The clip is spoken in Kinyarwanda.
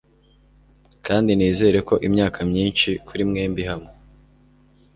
kandi nizere ko imyaka myinshi kuri mwembi hamwe